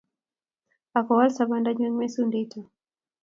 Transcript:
Ak koal sobondanyu en mesundoito